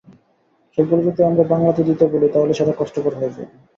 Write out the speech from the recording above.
সবগুলো যদি আমরা বাংলাতে দিতে বলি, তাহলে সেটা কষ্টকর হয়ে যাবে।